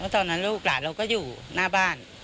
ตอนนั้นลูกหลานเราก็อยู่หน้าบ้าน